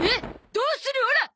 どうするオラ！